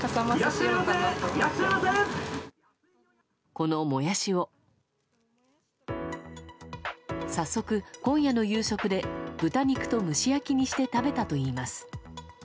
このモヤシを早速、今夜の夕食で豚肉と蒸し焼きにして食べたといいます。